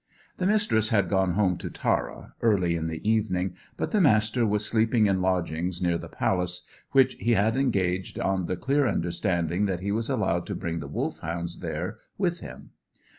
The Mistress had gone home to Tara, early in the evening; but the Master was sleeping in lodgings near the Palace, which he had engaged on the clear understanding that he was allowed to bring the Wolfhounds there with him.